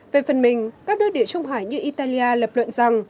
về phần mình các nước địa trung hải như italia lập luận rằng